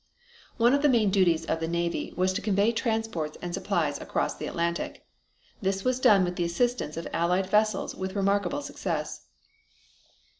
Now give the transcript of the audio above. One of the main duties of the Navy was to convoy transports and supplies across the Atlantic. This was done with the assistance of Allied vessels with remarkable success.